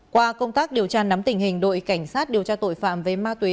qua công tác điều tra nắm tình hình đội cảnh sát điều tra tội phạm về ma túy